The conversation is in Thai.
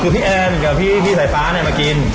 พี่แอ้งกับพี่สายฟ้ามากิน